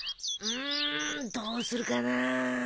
うーんどうするかなあ。